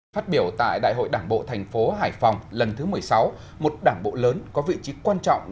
phát biểu tại đại hội đảng bộ thành phố hải phòng lần thứ một mươi sáu một đảng bộ lớn có vị trí quan trọng